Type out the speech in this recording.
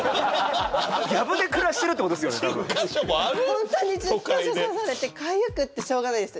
本当に１０か所刺されてかゆくてしょうがないんです